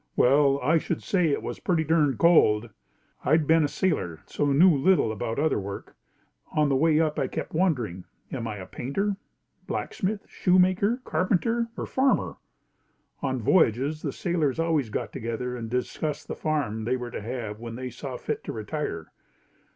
Well, I should say it was pretty durned cold! I had been a sailor, so knew little about other work. On the way up, I kept wondering, am I painter, blacksmith, shoemaker, carpenter or farmer? On voyages, the sailors always got together and discussed the farm they were to have when they saw fit to retire.